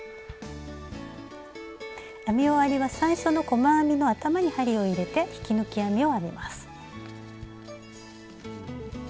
編み終わりは最初の細編みの頭に針を入れて引き抜き編みを編みます。